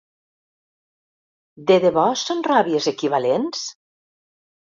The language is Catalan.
De debò són ràbies equivalents?